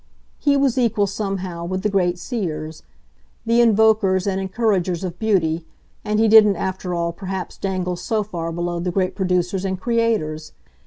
He was equal, somehow, with the great seers, the invokers and encouragers of beauty and he didn't after all perhaps dangle so far below the great producers and creators.